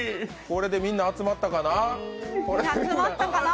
これでみんな集まったかな？